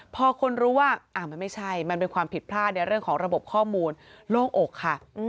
พอคนรู้ว่ามันไม่ใช่มันเป็นความผิดพลาดในเรื่องของระบบข้อมูลโล่งอกค่ะ